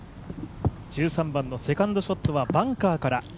１３番のセカンドショットはバンカーから。